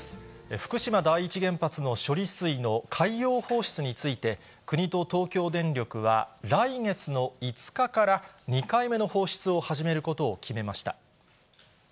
福島第一原発の処理水の海洋放出について、国と東京電力は、来月の５日から、２回目の放出を始めることを決めました。